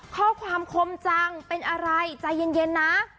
ข้อความคมจังเป็นอะไรใจเย็นนะ